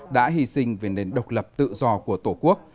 đã hy sinh về nền độc lập tự do của tổ quốc